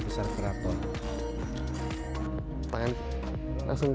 pegang tangan lakukan dengan tidak jauh kaki